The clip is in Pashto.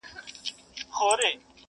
پوښتني لا هم ژوندۍ پاتې کيږي تل،